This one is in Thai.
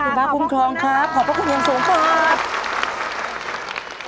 คุณพระคุ้มครองครับขอบพระคุณอย่างสูงครับ